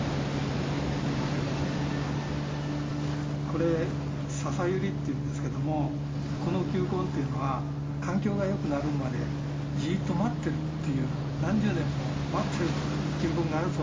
これササユリっていうんですけどもこの球根っていうのは環境がよくなるまでじっと待ってるっていう何十年も待ってる球根があるそうなんですよね。